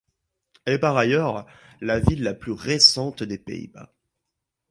Elle est par ailleurs la ville la plus récente des Pays-Bas.